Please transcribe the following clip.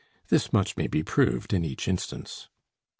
This much may be proved in each instance.